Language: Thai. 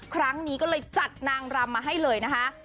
ครั้งนี้ก็เลยจัดนางรำมาให้เลยนะคะ